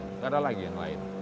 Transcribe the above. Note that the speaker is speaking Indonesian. tidak ada lagi yang lain